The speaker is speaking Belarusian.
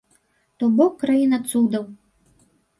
То бок краіна цудаў.